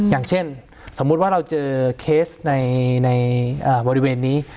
อย่างเช่นสมมุติว่าเราเจอเคสในบริเวณนี้